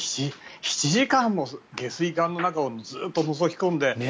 ７時間も下水管の中をずっとのぞき込んで。